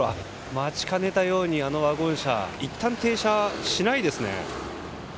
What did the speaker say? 待ちかねたように、ワゴン車がいったん停車しないですね。